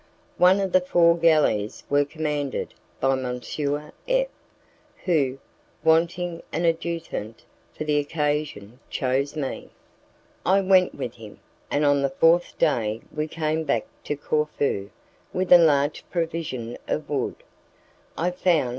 One of the four galleys was commanded by M. F who, wanting an adjutant for the occasion, chose me. I went with him, and on the fourth day we came back to Corfu with a large provision of wood. I found M.